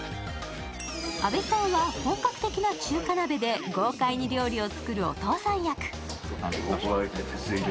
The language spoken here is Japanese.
阿部さんは本格的な中華鍋で豪快に料理を作るお父さん役。